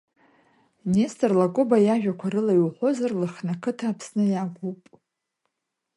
Нестор Лакоба иажәақәа рыла иуҳәозар, Лыхны ақыҭа Аԥсны иагәуп.